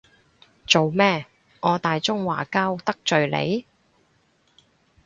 做咩，我大中華膠得罪你？